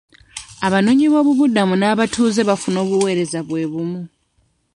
Abanoonyi b'obubuddamu n'abatuuze bafuna obuweereza bwe bumu.